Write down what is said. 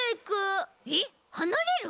えっはなれる！？